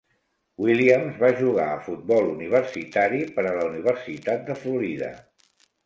Williams va jugar a futbol universitari per a la Universitat de Florida.